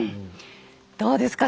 どうですか？